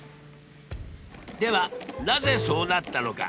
ではなぜそうなったのか？